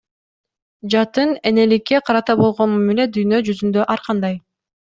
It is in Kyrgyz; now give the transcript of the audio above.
Жатын энеликке карата болгон мамиле дүйнө жүзүндө ар кандай.